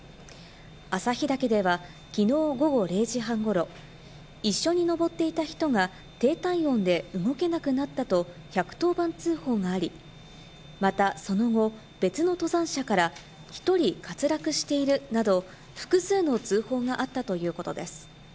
朝日岳ではきのう午後０時半ごろ、一緒に登っていた人が低体温で動けなくなったと１１０番通報があり、またその後、別の登山者から１人滑落しているなど複数の通報があったということです。